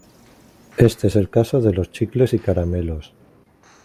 Este es el caso de los chicles y caramelos.